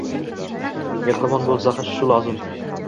Mehribon bo'lsa ham shu lozim.